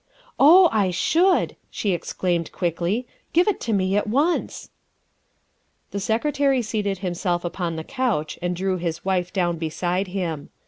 ''" Oh, I should," she exclaimed quickly, " give it to me at once !'' The Secretary seated himself upon the couch and drew his wife down beside him.